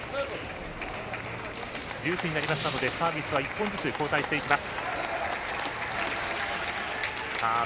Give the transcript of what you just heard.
デュースになりましたのでサービスは１本ずつ交代していきます。